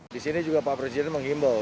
di sini juga pak presiden menghimbau